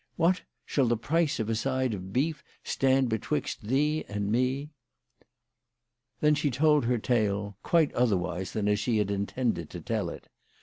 What, shall the price of a side of beef stand betwixt thee and me ?" Then she told her tale, quite otherwise than as she had intended to tell it.